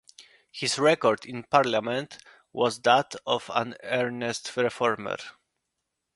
His record in Parliament was that of an earnest reformer.